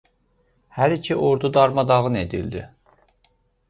Hər iki ordu darmadağın edildi.